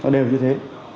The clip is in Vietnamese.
đều như thế